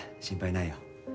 心配ないよ。